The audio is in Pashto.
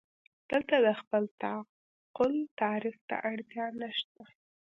دلته د خپل تعقل تعریف ته اړتیا نشته.